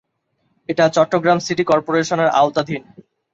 এটা চট্টগ্রাম সিটি কর্পোরেশনের আওতাধীন।